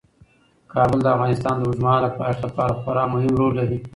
کابل د افغانستان د اوږدمهاله پایښت لپاره خورا مهم رول لري.